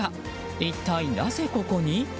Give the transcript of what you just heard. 一体なぜここに？